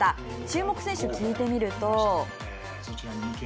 注目選手、聞いてみると。